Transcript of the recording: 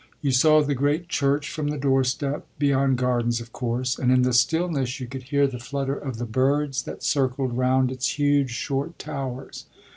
You saw the great church from the doorstep, beyond gardens of course, and in the stillness you could hear the flutter of the birds that circled round its huge short towers.